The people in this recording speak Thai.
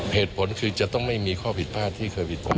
เหตุผลคือจะต้องไม่มีข้อผิดพลาดที่เคยผิดกฎหมาย